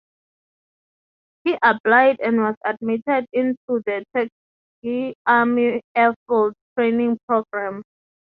He applied and was admitted into the Tuskegee Army Air Field Training Program.